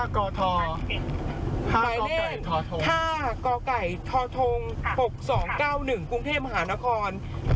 ๕กทหมายเล่น๕กท๖๒๙๑กรุงเทพฯหานคร